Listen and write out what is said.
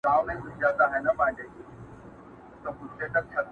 ښخېدی به یې په غوښو کي هډوکی.!